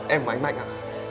em của anh mạnh ạ